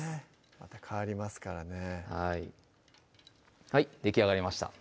また変わりますからねはいできあがりました